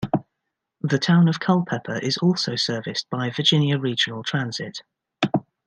The town of Culpeper is also serviced by Virginia Regional Transit.